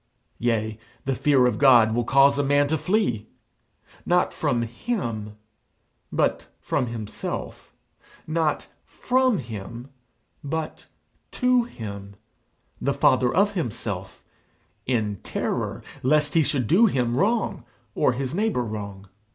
Yea, the fear of God will cause a man to flee, not from him, but from himself; not from him, but to him, the Father of himself, in terror lest he should do Him wrong or his neighbour wrong.